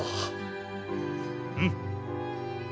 うん！